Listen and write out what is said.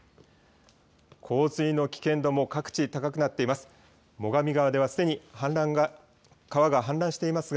洪水の危険度も各地、高くなっています。